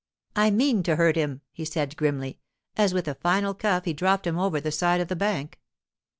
'I mean to hurt him,' he said grimly, as with a final cuff he dropped him over the side of the bank.